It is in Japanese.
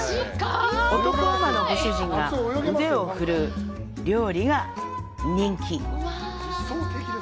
男海女のご主人が腕を振るう料理が人気。